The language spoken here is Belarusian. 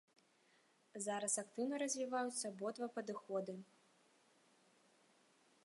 Зараз актыўна развіваюцца абодва падыходы.